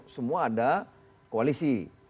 semua ada koalisi